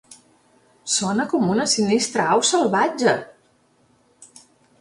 Sona com una sinistra au salvatge!